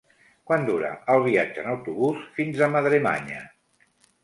Quant dura el viatge en autobús fins a Madremanya?